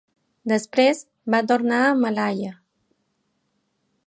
Després va tornar a Malaya.